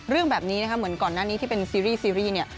เรื่องแบบนี้นะคะเหมือนก่อนหน้านี้ที่เป็นซีรีส์ซีรีส์เนี่ย